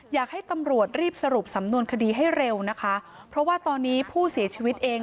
อยากให้ตำรวจรีบสรุปสำนวนคดีให้เร็วนะคะเพราะว่าตอนนี้ผู้เสียชีวิตเอง